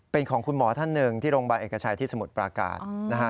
เป็นของคุณหมอท่านหนึ่งที่โรงบาลเอกชัยอาทิสมุทรประกาศ